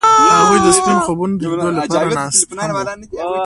هغوی د سپین خوبونو د لیدلو لپاره ناست هم وو.